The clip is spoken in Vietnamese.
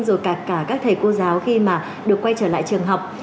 rồi cả các thầy cô giáo khi mà được quay trở lại trường học